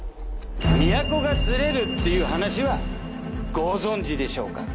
都がずれるっていう話はご存じでしょうか。